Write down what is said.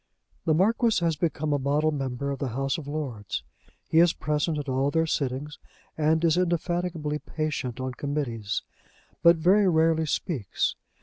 The Marquis has become a model member of the House of Lords. He is present at all their sittings, and is indefatigably patient on Committees, but very rarely speaks.